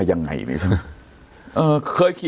อุ้มิทัศน์มันก็มองรถนี่